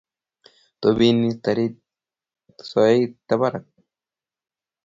Tobeni Taritik soet barak